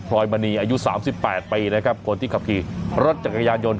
รอยมณีอายุ๓๘ปีนะครับคนที่ขับขี่รถจักรยานยนต